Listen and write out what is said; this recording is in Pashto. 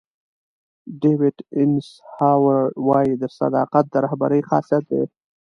ډیوېټ ایسنهاور وایي صداقت د رهبرۍ خاصیت دی.